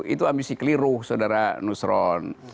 itu ambisi keliru saudara nusron